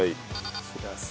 しらす。